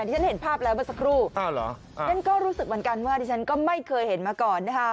ที่ฉันเห็นภาพแล้วเมื่อสักครู่ฉันก็รู้สึกเหมือนกันว่าดิฉันก็ไม่เคยเห็นมาก่อนนะคะ